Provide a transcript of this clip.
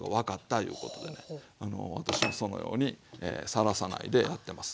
私もそのようにさらさないでやってます。